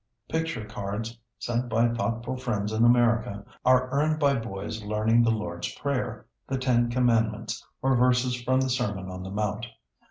Picture cards sent by thoughtful friends in America are earned by boys learning the Lord's Prayer, the Ten Commandments, or verses from the Sermon on the Mount.